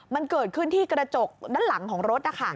มันเกิดขึ้นที่กระจกด้านหลังของรถ